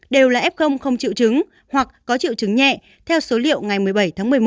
đều là f không chịu chứng hoặc có triệu chứng nhẹ theo số liệu ngày một mươi bảy tháng một mươi một